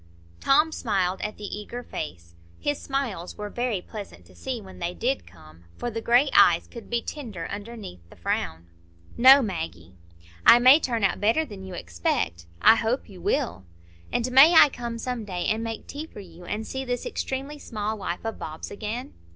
Tom smiled at the eager face; his smiles were very pleasant to see when they did come, for the gray eyes could be tender underneath the frown. "No, Maggie." "I may turn out better than you expect." "I hope you will." "And may I come some day and make tea for you, and see this extremely small wife of Bob's again?"